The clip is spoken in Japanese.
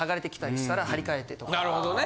なるほどね。